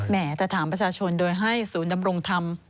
จะถามประชาชนโดยให้ศูนย์ดำรงธรรม